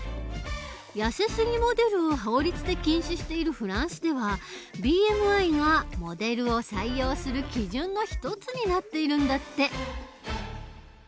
やせすぎモデルを法律で禁止しているフランスではＢＭＩがモデルを採用する基準の一つになっているんだって。